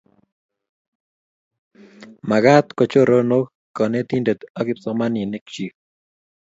Makat kochoronok kanetundet ak kipsomaninik chik